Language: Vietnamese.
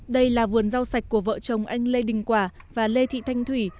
đây là vườn rau sạch của vợ chồng anh lê đình quà và lê thị thành thủy